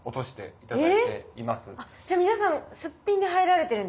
じゃあ皆さんスッピンで入られてるんですか？